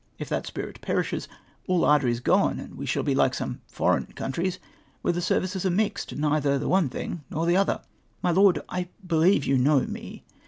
If that spirit perishes all ardour is gone, and we shall be like some foreign countries where the services are mixed — neither the one thing nor the other. "My Lord, I believe you know me.